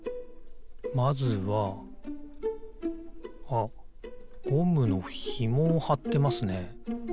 あっゴムのひもをはってますね。